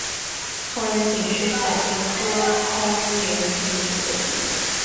空棱芹是伞形科空棱芹属的植物。